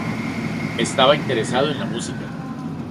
Estaba interesado en la música.